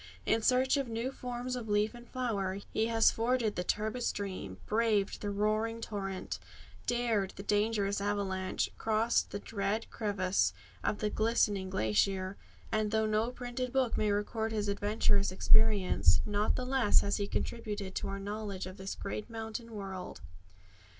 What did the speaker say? In search of new forms of leaf and flower, he has forded the turbid stream, braved the roaring torrent, dared the dangerous avalanche, and crossed the dread crevasse of the glistening glacier; and though no printed book may record his adventurous experience, not the less has he contributed to our knowledge of this great mountain world.